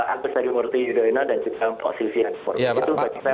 angkus dari murti yudhoyono dan juga posisi yang itu pak roy